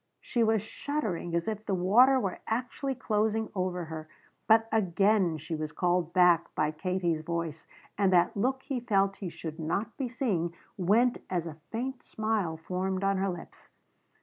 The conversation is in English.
She was shuddering as if the water were actually closing over her. But again she was called back by Katie's voice and that look he felt he should not be seeing went as a faint smile formed on her lips.